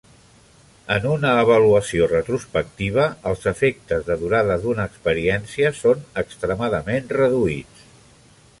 En una avaluació retrospectiva, els efectes de durada d'una experiència són extremadament reduïts.